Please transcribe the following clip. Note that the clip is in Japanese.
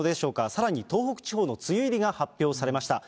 さらに東北地方の梅雨入りが発表されました。